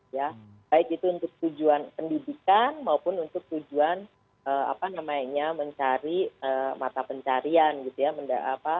ya baik itu untuk tujuan pendidikan maupun untuk tujuan apa namanya mencari mata pencarian gitu ya